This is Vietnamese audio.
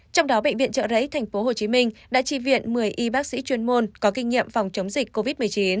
trong đó bệnh viện trợ rẫy tp hcm đã tri viện một mươi y bác sĩ chuyên môn có kinh nghiệm phòng chống dịch covid một mươi chín